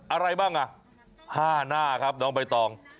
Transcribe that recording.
อะไรบ้างอ่ะ๕หน้าครับน้องใบตอง